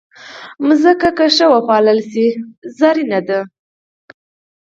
مځکه که ښه وپالل شي، زرینه ده.